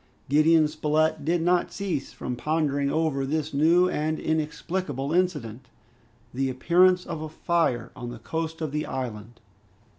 Gideon Spilett did not cease from pondering over this new and inexplicable incident, the appearance of a fire on the coast of the island.